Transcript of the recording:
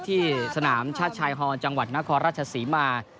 ที่สนามชาติชายฮอลจังหวัดนครราชศรีมา